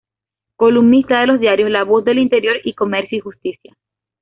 Columnista de los diarios "La Voz del Interior" y "Comercio y Justicia".